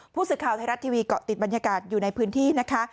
ผู้สื่อข่าวไทยรัฐทีวีเกาะติดบรรยากาศอยู่ในพื้นที่นะคะ